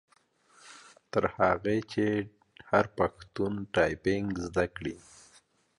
تر هغه چي هر پښتون ټایپنګ زده کړي.